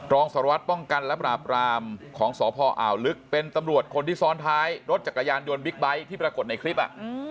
รองสารวัตรป้องกันและปราบรามของสพอ่าวลึกเป็นตำรวจคนที่ซ้อนท้ายรถจักรยานยนต์บิ๊กไบท์ที่ปรากฏในคลิป